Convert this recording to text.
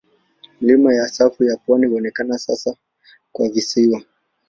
Milima ya safu ya pwani huonekana sasa kama visiwa.